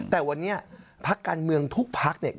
แต่วันนี้พักการเมืองทุกพักเนี่ย